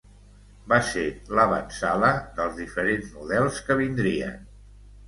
Va ser l'avantsala dels diferents models que vindrien.